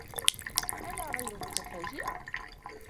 أنا غير متفاجئة.